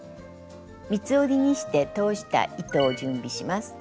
三つ折りにして通した糸を準備します。